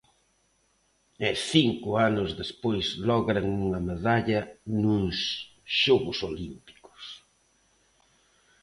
E cinco anos despois logran unha medalla nuns xogos olímpicos.